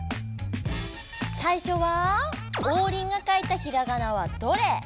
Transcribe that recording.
さいしょは「オウリンが書いたひらがなはどれ？」。